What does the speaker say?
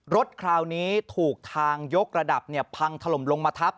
รถคราวนี้ถูกทางยกระดับพังถล่มลงมาทับ